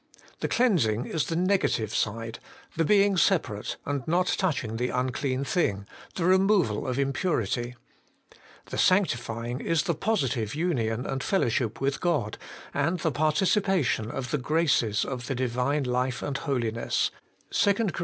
The cleansing is the negative side, the being separate and not touching the unclean thing, the removal of impurity ; the sanctifying is the positive union and fellowship with God, and the participation of the graces of the Divine life and holiness (2 Cor.